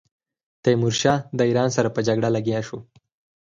تیمورشاه د ایران سره په جګړه لګیا شو.